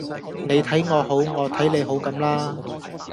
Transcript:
你睇我好，我睇你好咁啦